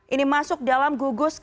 ini masuk dalam situs private island online